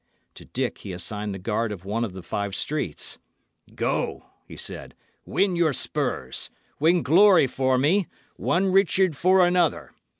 To Dick he assigned the guard of one of the five streets. "Go," he said, "win your spurs. Win glory for me: one Richard for another.